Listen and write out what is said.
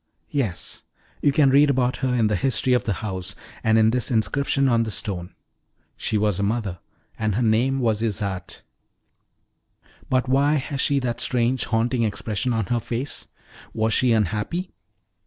"Yes; you can read about her in the history of the house, and in this inscription on the stone. She was a mother, and her name was Isarte." "But why has she that strange, haunting expression on her face? Was she unhappy?"